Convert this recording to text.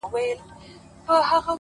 هره ورځ د عادتونو جوړولو وخت دی’